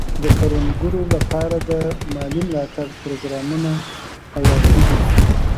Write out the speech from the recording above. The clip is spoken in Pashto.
د کروندګرو لپاره د مالي ملاتړ پروګرامونه حیاتي دي.